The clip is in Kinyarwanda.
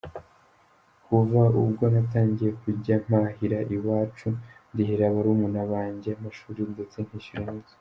Kuva ubwo natangiye kujya mpahira iwacu, ndihira barumuna banjye amashuri ndetse nkishyura n’inzu.